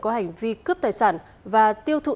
có hành vi cướp tài sản và tiêu thụ